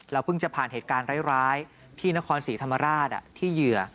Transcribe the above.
เพิ่งจะผ่านเหตุการณ์ร้ายที่นครศรีธรรมราชที่เหยื่อ